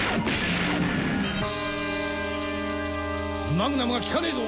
マグナムが効かねえぞ！